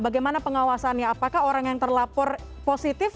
bagaimana pengawasannya apakah orang yang terlapor positif